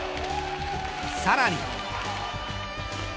さらに。